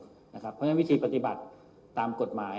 เพราะฉะนั้นวิธีปฏิบัติตามกฎหมาย